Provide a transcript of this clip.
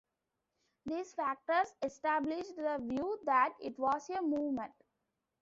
These factors established the view that it was a "movement".